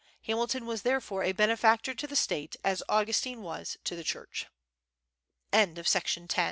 Hamilton was therefore a benefactor to the State, as Augustine was to the Church. But before Hamilton co